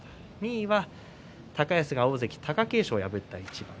２位は高安が大関貴景勝を破った一番。